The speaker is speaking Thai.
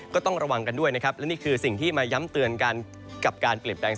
ก็ต้องระวังกันด้วยนะครับและนี่คือสิ่งที่มาย้ำเตือนกันกับการเปลี่ยนแปลง